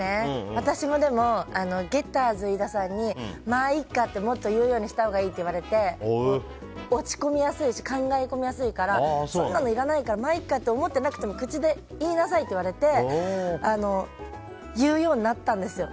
私もゲッターズ飯田さんにまあいっかってもっと言うようにしたほうがいいって言われて落ち込みやすいし考え込みやすいからそんなのいらないからまあいっかって思ってなくても口で言いなさいって言われて言うようになったんですよ。